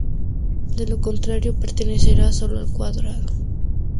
De lo contrario pertenecerá sólo al cuadrado.